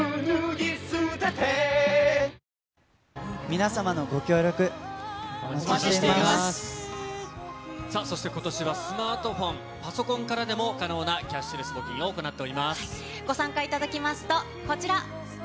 皆様のご協力、お待ちしていさあそしてことしは、スマートフォン、パソコンからでも可能なキャッシュレス募金を行っておご参加いただきますと、こちら。